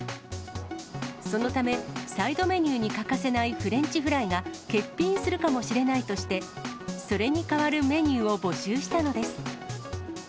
そのため、サイドメニューに欠かせないフレンチフライが、欠品するかもしれないとして、それに代わるメニューを募集したのです。